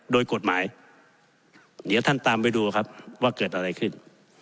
โดยกฎหมายเดี๋ยวท่านตามไปดูครับว่าเกิดอะไรขึ้น